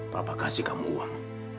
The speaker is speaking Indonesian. papa kasih kamu uang